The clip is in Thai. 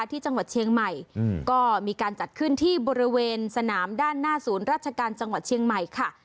ที่จังหวัดเชียงใหม่ก็มีการจัดขึ้นที่บริเวณสนามด้านหน้าศูนย์ราชการจังหวัดเชียงใหม่ค่ะ